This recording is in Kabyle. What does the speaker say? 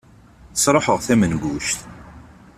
Sruḥeɣ tamenguct.